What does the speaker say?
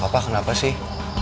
apa kenapa sih